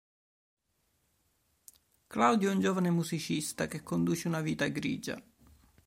Claudio è un giovane musicista che conduce una vita grigia.